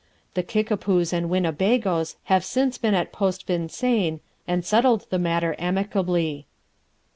The Kickapoos and Winnebagoes have since been at Post Vincennes and settled the matter amicably.